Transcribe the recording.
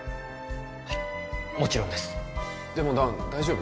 はいもちろんですでも弾大丈夫？